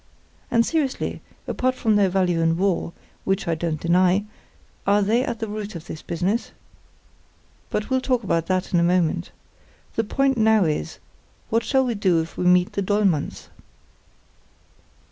And, seriously, apart from their value in war, which I don't deny, are they at the root of this business? But we'll talk about that in a moment. The point now is, what shall we do if we meet the Dollmanns?"